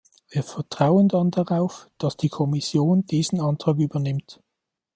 Wir vertrauen dann darauf, dass die Kommission diesen Antrag übernimmt.